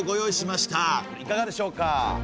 いかがでしょうか？